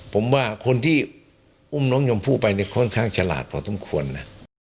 ผมว่าคนที่อุ้มน้องชมพู่ไปเนี่ยค่อนข้างฉลาดพอสมควรนะ